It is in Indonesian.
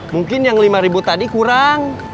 mungkin yang lima ribu tadi kurang